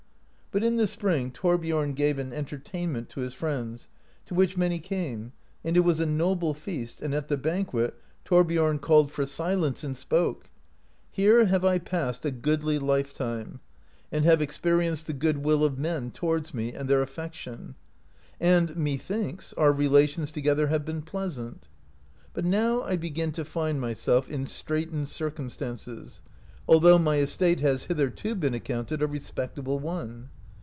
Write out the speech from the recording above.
But in the spring Thorbiorn gave an enter tainment to his friends, to which many came, and it was a noble feast, and at the banquet Thorbiorn called for si 34 THORBIORN SAILS FOR IVINELAND lence, and spoke; Here have I passed a goodly life time, and have experienced the good will of men toward me, and their affection; and, methinks, our relations to gether have been pleasant ; but now I begin to find myself in straitened ciraimstances, although my estate has hith erto been accounted a respectable one.